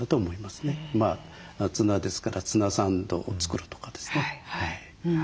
ツナですからツナサンドを作るとかですね。